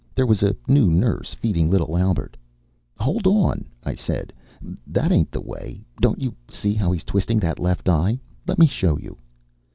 There was a new nurse feeding little Albert. "Hold on," I said. "That ain't the way. Don't you see how he's twisting that left eye? Let me show you."